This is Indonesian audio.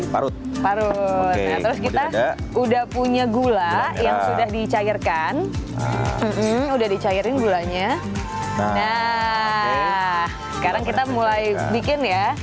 parut parut terus kita udah punya gula yang sudah dicairkan udah dicairin gulanya nah sekarang kita mulai bikin ya